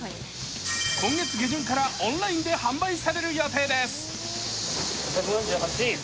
今月下旬からオンラインで販売される予定です。